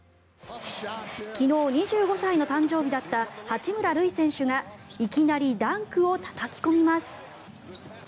昨日、２５歳の誕生日だった八村塁選手がいきなりダンクをたたき込みます。